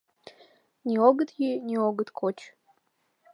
Ни огыт йӱ, ни огыт коч.